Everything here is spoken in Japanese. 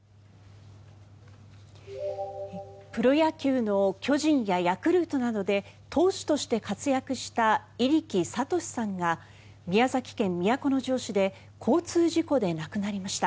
プロ野球の巨人やヤクルトなどで投手として活躍した入来智さんが宮崎県都城市で交通事故で亡くなりました。